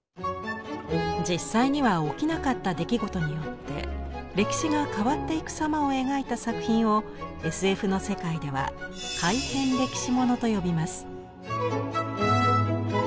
実際には起きなかった出来事によって歴史が変わっていく様を描いた作品をＳＦの世界では「改変歴史もの」と呼びます。